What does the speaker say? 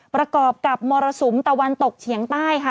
ประกอบกับมรสุมตะวันตกเฉียงใต้ค่ะ